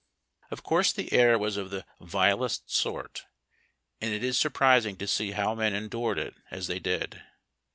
Of course the air was of the vilest sort, and it is surprising to see ]io\v men endured it as they did.